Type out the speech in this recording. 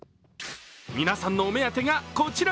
皆さんのお目当てがこちら。